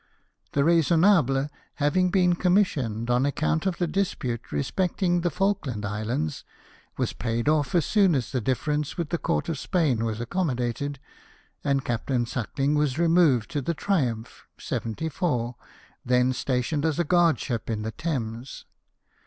The Raisonnahle having been commissioned on account of the dispute respecting the Falkland Islands, was paid off as soon as the difference with the Court of Spain was accommodated, and Captain Suckling was removed to the Triumph, 74, then stationed as a guardship in the Thames.